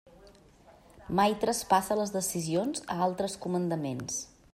Mai traspassa les decisions a altres comandaments.